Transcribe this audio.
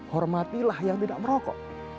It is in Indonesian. hormatilah yang tidak merokok